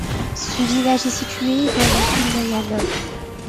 Ce village est situé dans le sud-Mayenne.